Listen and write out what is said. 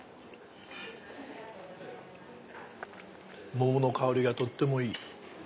桃の香りがとってもいい。